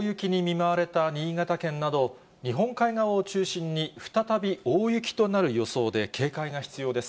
大雪に見舞われた新潟県など、日本海側を中心に、再び大雪となる予想で、警戒が必要です。